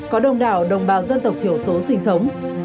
có đông đảo đồng bào dân tộc thiểu số sinh sống